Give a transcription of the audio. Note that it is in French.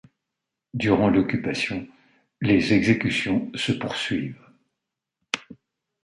Durant l'Occupation, les exécutions se poursuivent.